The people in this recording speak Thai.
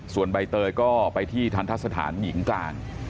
ส่วนใบเตยก็ไปที่ทันทะสถานหญิงกลาง